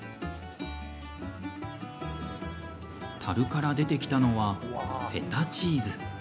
たるから出てきたのはフェタチーズ。